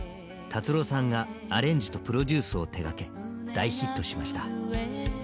達郎さんがアレンジとプロデュースを手がけ大ヒットしました。